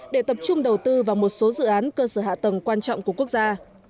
để tập trung đầu tư vào một số dự án cơ sở hạ tầng quan trọng của quốc gia